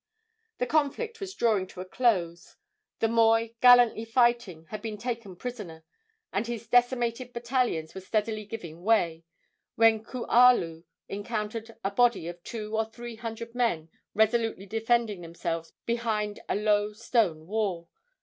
The conflict was drawing to a close. The moi, gallantly fighting, had been taken prisoner, and his decimated battalions were steadily giving way, when Kualu encountered a body of two or three hundred men resolutely defending themselves behind a low stone wall.